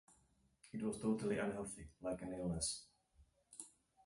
It was totally unhealthy, like an illness.